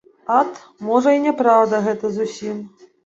Ат, можа, і няпраўда гэта зусім.